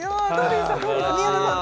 宮野さん